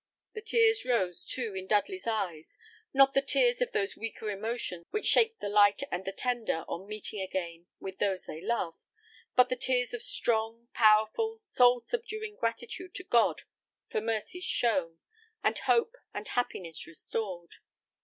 The tears rose, too, in Dudley's eyes: not the tears of those weaker emotions which shake the light and the tender on meeting again with those they love, but the tears of strong, powerful, soul subduing gratitude to God for mercies shown, and hope and happiness restored.